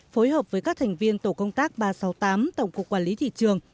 phối hợp với các thành viên tổ công tác ba trăm sáu mươi tám tổng cục quản lý thị trường